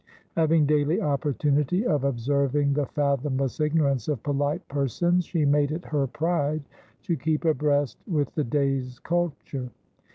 Having daily opportunity of observing the fathomless ignorance of polite persons, she made it her pride to keep abreast with the day's culture.